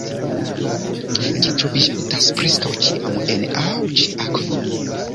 Ĝi troviĝantas preskaŭ ĉiam en aŭ ĉe akvo.